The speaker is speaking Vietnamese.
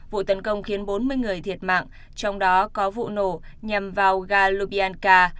vụ tấn công khiến bốn mươi người thiệt mạng trong đó có vụ nổ nhằm vào ga lubia